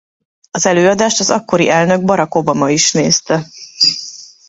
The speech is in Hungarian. Az előadást az akkori elnök Barack Obama is nézte.